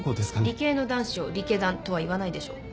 理系の男子をリケダンとは言わないでしょう。